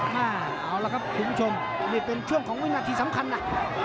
เอาละครับคุณผู้ชมนี่เป็นช่วงของวินาทีสำคัญนะ